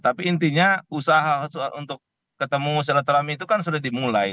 tapi intinya usaha untuk ketemu silaturahmi itu kan sudah dimulai